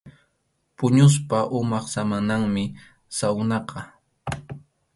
Puñuspa umap samananmi sawnaqa.